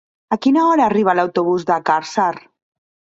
A quina hora arriba l'autobús de Càrcer?